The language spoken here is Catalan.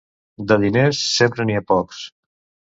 De diners, sempre n'hi ha pocs.